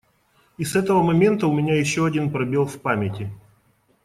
И с этого момента у меня еще один пробел в памяти.